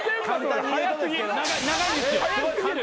長いんですよ。